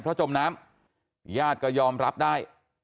เพราะจมน้ำญาติก็ยอมรับได้